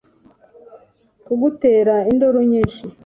kugutera induru nyinshi